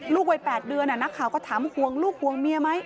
วัย๘เดือนนักข่าวก็ถามห่วงลูกห่วงเมียไหม